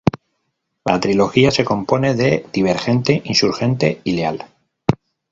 La trilogía se compone de "Divergente", "Insurgente" y "Leal".